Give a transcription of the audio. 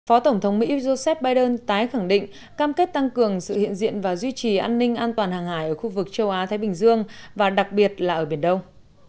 phó tổng thống mỹ joe biden tái khẳng định cam kết tăng cường sự hiện diện và duy trì an ninh an toàn hàng hải ở khu vực châu á thái bình dương và đặc biệt là ở biển đông